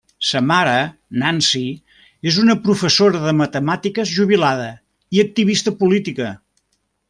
Sa mare, Nancy, és una professora de matemàtiques jubilada i activista política.